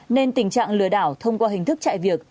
nên tình trạng lừa đảo thông qua hình thức chạy việc